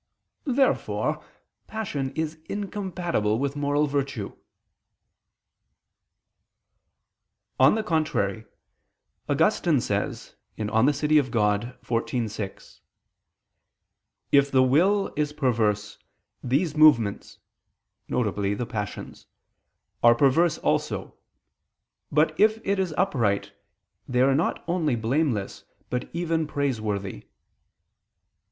Therefore passion is incompatible with moral virtue. On the contrary, Augustine says (De Civ. Dei xiv, 6): "If the will is perverse, these movements," viz. the passions, "are perverse also: but if it is upright, they are not only blameless, but even praiseworthy."